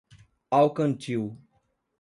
Alcantil